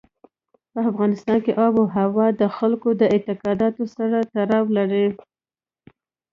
په افغانستان کې آب وهوا د خلکو د اعتقاداتو سره تړاو لري.